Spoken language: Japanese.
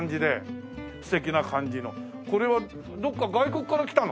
これはどこか外国から来たの？